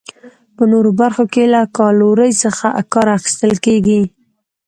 په نورو برخو کې له کالورۍ څخه کار اخیستل کیږي.